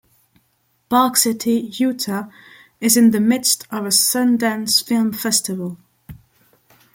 Park City, Utah is in the midst of the Sundance Film Festival.